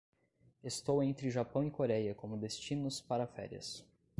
Estou entre Japão e Coreia como destinos para férias.